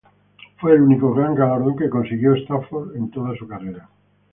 Fue el único gran galardón que consiguió Stafford en toda su carrera.